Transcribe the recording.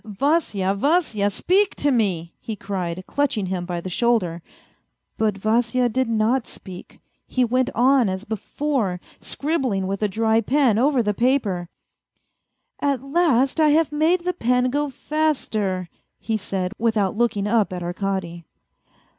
" Vasya, Vasya, speak to me," he cried, clutching him by the shoulder. But Vasya did not speak; he went on as before, scribbling with a dry pen over the paper. " At last I have made the pen go faster," he said, without looking up at Arkady.